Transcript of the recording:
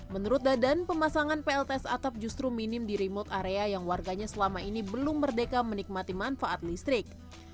menurut dadan pemasangan plts atap justru minim di remote area yang warganya selama ini belum merdeka menikmati manfaat listrik